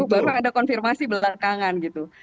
baru ada konfirmasi belakangan gitu